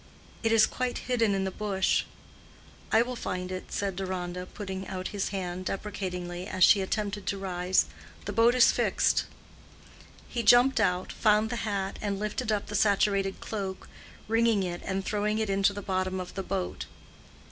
"It is quite hidden in the bush." "I will find it," said Deronda, putting out his hand deprecatingly as she attempted to rise. "The boat is fixed." He jumped out, found the hat, and lifted up the saturated cloak, wringing it and throwing it into the bottom of the boat.